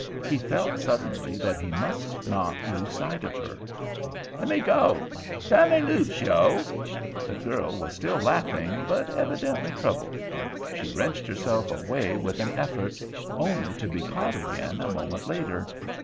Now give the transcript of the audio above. He felt suddenly that he must not lose sight of her. "Let me go! Tu'n me loose, yo'!" The girl was still laughing, but evidently troubled. She wrenched herself away with an effort, only to be caught again a moment later.